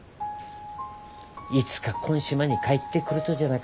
いつかこん島に帰ってくるとじゃな